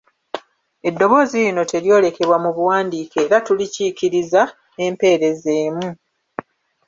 Eddoboozi lino teryolekebwa mu buwandiike era tulikiikiriza empeerezi emu.